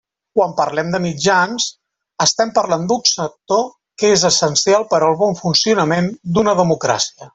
Quan parlem de mitjans, estem parlant d'un sector que és essencial per al bon funcionament d'una democràcia.